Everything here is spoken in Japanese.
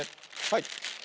はい。